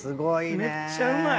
めっちゃうまい。